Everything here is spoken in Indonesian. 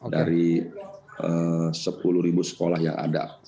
dari sepuluh sekolah yang ada